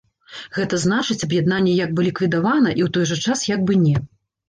Гэта значыць аб'яднанне як бы ліквідавана і ў той жа час як бы не.